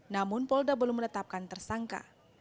namun polda belum menetapkan tersangka